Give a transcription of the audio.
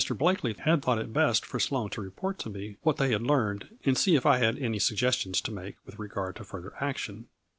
Blakely had thought it best for Sloane to report to me what they had learned, and see if I had any suggestions to make with regard to further action.